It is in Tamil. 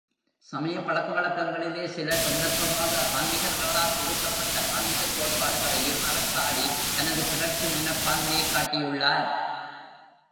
சமயப் பழக்கவழக்கங்களிலே சில சந்தர்ப்பவாத ஆன்மிகர்களால் புகுத்தப்பட்ட ஆன்மிகக் கோட்பாடுகளையும் அவர் சாடி தனது புரட்சி மனப்பான்மையைக் காட்டியுள்ளார்.